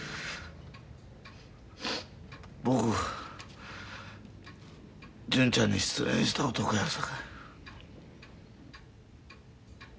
僕純ちゃんに失恋した男やさか。